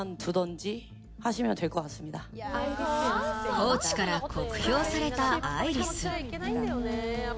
コーチから酷評されたアイリス。